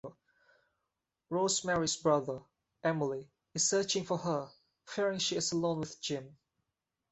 Rose-Marie's brother, Emile, is searching for her, fearing she is alone with Jim.